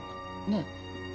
ねえ。